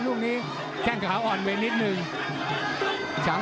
ขลายทางขาวอ่อนไว้หนึ่ง